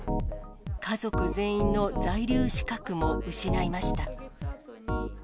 家族全員の在留資格も失いました。